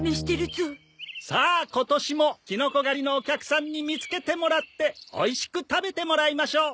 さあ今年もキノコ狩りのお客さんに見つけてもらっておいしく食べてもらいましょう！